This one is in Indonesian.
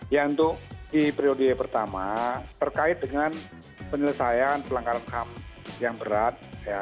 ya untuk di periode pertama terkait dengan penyelesaian pelanggaran ham yang berat